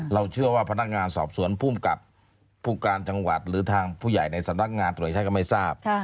เราเชื่อว่าพนักงานสอบสวนภูมิกับผู้การจังหวัดหรือทางผู้ใหญ่ในสำนักงานตรวจใช้ก็ไม่ทราบ